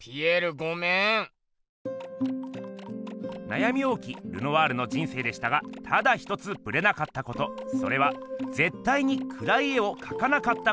なやみ多きルノワールの人生でしたがただ一つぶれなかったことそれはぜったいにくらい絵をかかなかったことです。